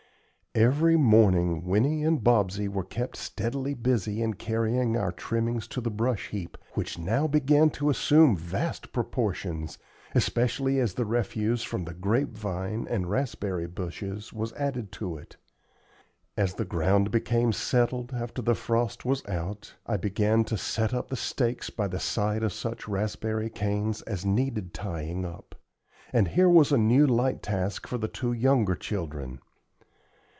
Every morning Winnie and Bobsey were kept steadily busy in carrying our trimmings to the brush heap, which now began to assume vast proportions, especially as the refuse from the grape vine and raspberry bushes was added to it. As the ground became settled after the frost was out, I began to set the stakes by the side of such raspberry canes as needed tying up; and here was a new light task for the two younger children.